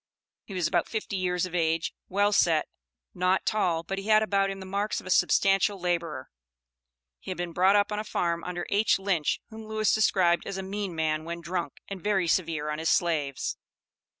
He was about fifty years of age, well set, not tall, but he had about him the marks of a substantial laborer. He had been brought up on a farm under H. Lynch, whom Lewis described as "a mean man when drunk, and very severe on his slaves."